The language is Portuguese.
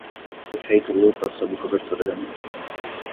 Efeito lupa sob cobertura da mídia